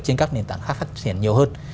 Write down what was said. trên các nền tảng khác phát triển nhiều hơn